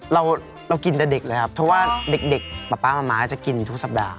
เรากินแต่เด็กเลยครับเพราะว่าเด็กป๊าป๊าม้าจะกินทุกสัปดาห